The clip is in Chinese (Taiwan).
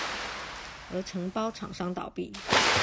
而承包廠商倒閉